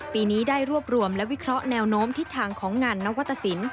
ปีนี้ได้รวบรวมและวิเคราะห์แนวโน้มทิศทางของงานนวัตตสิน